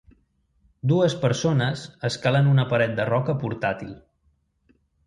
Dues persones escalen una paret de roca portàtil